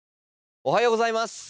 おはようございます。